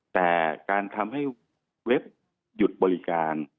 แต่การทำให้เว็บหยุดบริการ